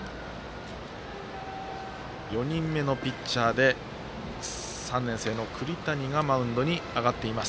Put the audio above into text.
４人目のピッチャーで３年生の栗谷がマウンドに上がっています。